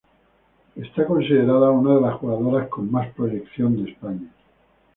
Está considerada una de las jugadoras con más proyección de España.